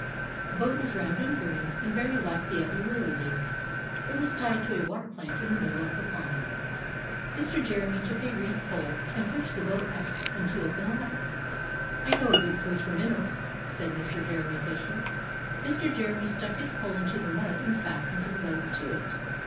The boat was round and green, and very like the other lily leaves. It was tied to a water plant in the middle of the pond. Mr. Jeremy took a reed pole, and pushed the boat out into open water. "I know a good place for minnows," said Mr. Jeremy Fisher. Mr. Jeremy stuck his pole into the mud and fastened the boat to it.